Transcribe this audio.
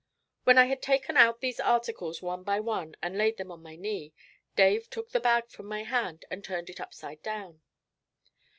When I had taken out these articles one by one and laid them on my knee, Dave took the bag from my hand and turned it upside down.